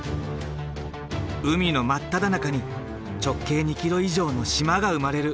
海の真っただ中に直径２ｋｍ以上の島が生まれる。